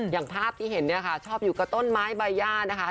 อย่างภาพที่เห็นเนี่ยค่ะชอบอยู่กับต้นไม้ใบย่านะคะ